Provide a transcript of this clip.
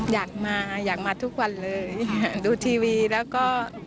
อยากมาอยากมาทุกวันเลยอยากดูทีวีแล้วก็